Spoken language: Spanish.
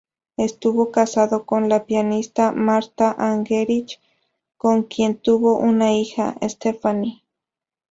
Estuvo casado con la pianista Martha Argerich con quien tuvo una hija, Stephanie.